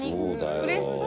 うれしそう。